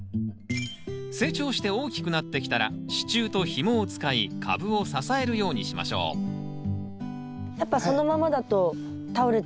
成長して大きくなってきたら支柱とヒモを使い株を支えるようにしましょうやっぱそのままだと倒れちゃいますかね？